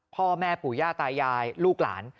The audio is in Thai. พ่อแม่ปู่ย่าตายายลูกหลาน